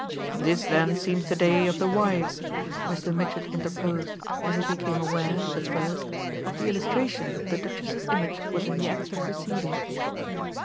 "This then seems the day of the wives!" Mr. Mitchett interposed as he became aware, the first, of the illustration the Duchess's image was in the act of receiving.